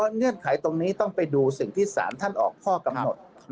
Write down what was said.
เงื่อนไขตรงนี้ต้องไปดูสิ่งที่ศาลท่านออกข้อกำหนด